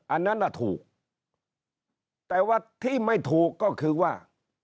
อันนั้นน่ะถูกแต่ว่าที่ไม่ถูกก็คือว่า